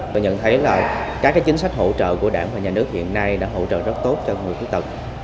tôi nhận thấy là các chính sách hỗ trợ của đảng và nhà nước hiện nay đã hỗ trợ rất tốt cho người khuyết tật